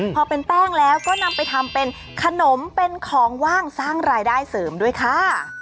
พอเป็นแป้งแล้วก็นำไปทำเป็นขนมเป็นของว่างสร้างรายได้เสริมด้วยค่ะ